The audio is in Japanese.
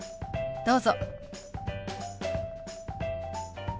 どうぞ。